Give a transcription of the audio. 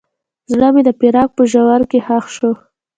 زړه مې د فراق په ژوره کې ښخ شو.